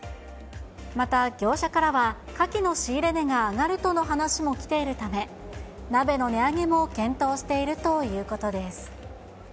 また業者からは、カキの仕入れ値が上がるとの話もきているため、鍋の値上げも検討しているということです。